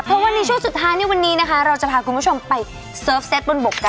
เพราะว่าในช่วงสุดท้ายในวันนี้นะคะเราจะพาคุณผู้ชมไปเสิร์ฟเซตบนบกกัน